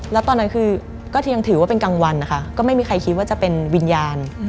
แล้วตอนนั้นคือก็ยังถือว่าเป็นกลางวันนะคะก็ไม่มีใครคิดว่าจะเป็นวิญญาณ